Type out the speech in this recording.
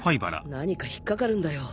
何か引っ掛かるんだよ。